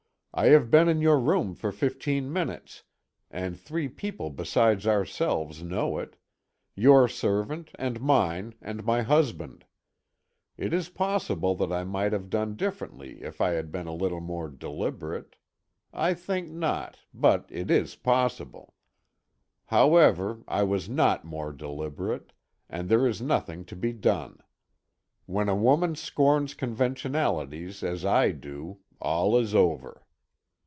I have been in your rooms for fifteen minutes, and three people beside ourselves know it, your servant, and mine, and my husband. It is possible that I might have done differently if I had been a little more deliberate, I think not, but it is possible. However, I was not more deliberate and there is nothing to be done. When a woman scorns conventionalities as I do, all is over."